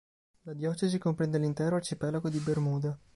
La diocesi comprende l'intero arcipelago di Bermuda.